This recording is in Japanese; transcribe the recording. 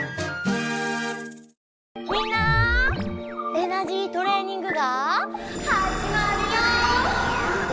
エナジートレーニングがはじまるよ！